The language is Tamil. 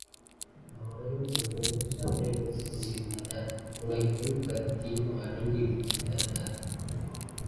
நாயும் பூனையும் சண்டை போட்டுக் கொண்டு இருந்தன, குலைத்தும், கத்தியும் அடங்கி விட்டனர்.